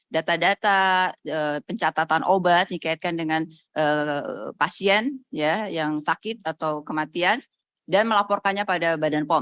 data data pencatatan obat dikaitkan dengan pasien yang sakit atau kematian dan melaporkannya pada badan pom